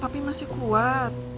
emangnya papi masih kuat